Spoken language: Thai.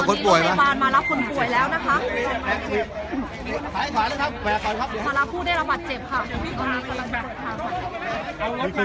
ก็ไม่มีใครกลับมาเมื่อเวลาอาทิตย์เกิดขึ้น